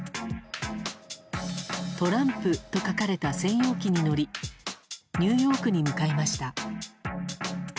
トランプと書かれた専用機に乗りニューヨークに向かいました。